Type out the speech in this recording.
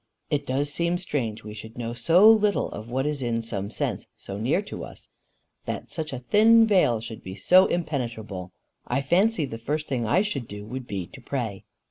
"It does seem strange we should know so little of what is in some sense so near us! that such a thin veil should be so impenetrable! I fancy the first thing I should do would be to pray."